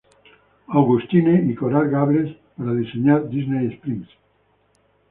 Augustine y Coral Gables, para diseñar Disney Springs.